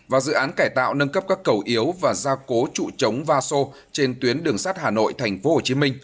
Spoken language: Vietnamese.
và dự án cải tạo nâng cấp các cầu yếu và gia cố trụ chống va sô trên tuyến đường sát hà nội thhcm